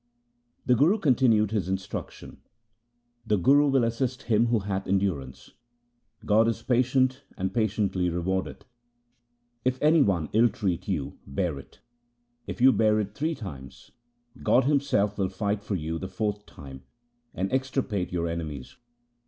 The Guru continued his instructions :—' The Guru will assist him who hath endurance ; God is patient and patiently rewardeth. If any one ill treat you, bear it. If you bear it three times, God Himself will fight for you the fourth time, and extirpate your enemies.'